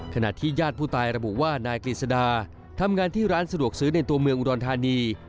ขณะที่ญาติผู้ตายระบุว่านายกฤษดาทำงานที่ร้านสะดวกซื้อในตัวเมืองอุดรธานี